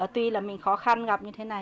tuy là mình khó khăn gặp như thế này